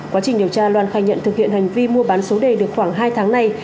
quá trình điều tra loan khai nhận thực hiện hành vi mua bán số đề được khoảng hai tháng này